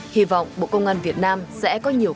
hy vọng bộ công an việt nam sẽ có nhiều